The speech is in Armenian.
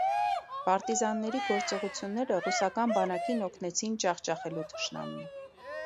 Պարտիզանների գործողությունները ռուսական բանակին օգնեցին ջախջախելու թշնամուն։